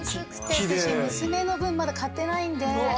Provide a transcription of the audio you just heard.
私娘の分まだ買ってないんで。